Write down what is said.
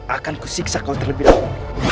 akan ku siksa kau terlebih dahulu